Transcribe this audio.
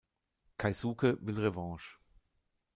Keisuke will Revanche.